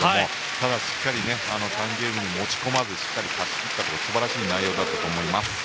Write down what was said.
ただ、しっかり３ゲームに持ち込まずしっかり勝ち切ったという素晴らしい内容だったと思います。